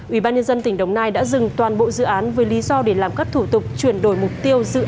ủy ban nhân dân tỉnh đồng nai đã dừng toàn bộ dự án với lý do để làm các thủ tục chuyển đổi mục tiêu dự án từ nhà ở